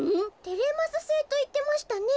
「テレマスセイ」といってましたね。